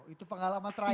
itu pengalaman terakhir